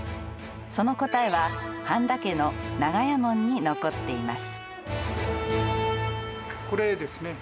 その答えは繁田家の長屋門に残っています。